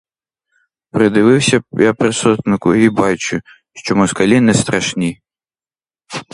Придивився я при сотнику і бачу, що москалі не страшні.